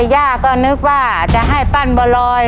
ย่าก็นึกว่าจะให้ปั้นบัวลอย